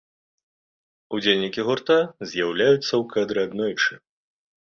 Удзельнікі гурта з'яўляюцца ў кадры аднойчы.